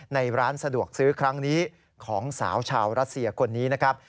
ในร้านสะดวกซื้อครั้งนี้ของสาวชาวรัสเซียคนนี้นะครับ